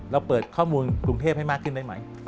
เราเปิดข้อมูลกรุงเทพให้มากขึ้นได้ไหม